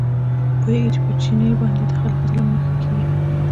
پوهېږي چې په چیني باندې د خلکو ظلم نه ښه کېږي.